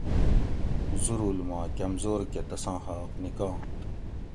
زُرول ما کۤمزور کہ تساں حاق نِکانت